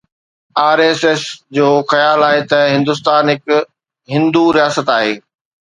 R S S جو خيال آهي ته هندستان هڪ هندو رياست آهي